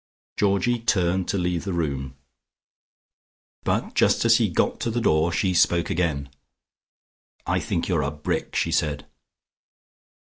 Georgie turned to leave the room, but just as he got to the door she spoke again: "I think you're a brick," she said.